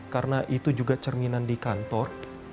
karena itu juga cerminan di kantor